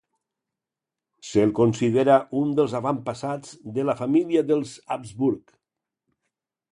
Se'l considera un dels avantpassats de la família dels Habsburg.